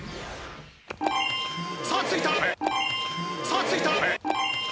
さあついた！